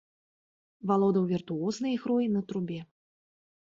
Валодаў віртуознай ігрой на трубе.